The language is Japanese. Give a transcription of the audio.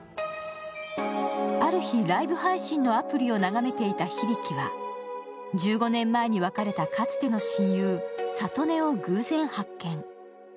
ある日、ライブ配信のアプリを眺めていた響は１５年前に別れたかつての親友・郷音を偶然発見。